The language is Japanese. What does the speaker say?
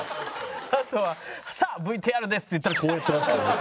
あとは「さあＶＴＲです」って言ったらこうやって。